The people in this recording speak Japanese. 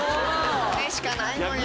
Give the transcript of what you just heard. これしかないのに。